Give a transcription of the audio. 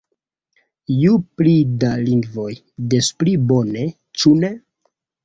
Ju pli da lingvoj, des pli bone, ĉu ne?